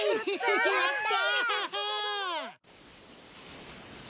やった！